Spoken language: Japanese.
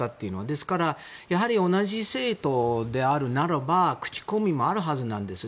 ですから、やはり同じ政党であるならば口コミもあるはずなんです。